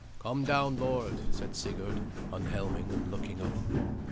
"Come down, lord," said Sigurd, unhelming and looking up.